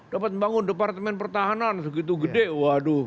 dapat membangun departemen pertahanan segitu gede waduh